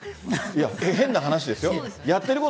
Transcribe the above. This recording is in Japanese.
いや、変な話ですよ。